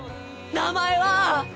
名前は？